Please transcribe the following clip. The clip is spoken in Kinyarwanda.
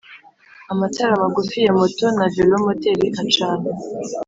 amatara magufi ya moto na velomoteri acanwa